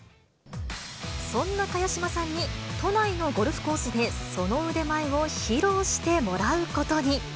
そんな茅島さんに、都内のゴルフコースでその腕前を披露してもらうことに。